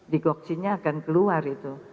digoksinya akan keluar itu